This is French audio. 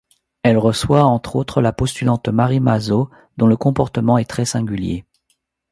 Elle reçoit, entre autres, la postulante Mary Mazo dont le comportement est très singulier.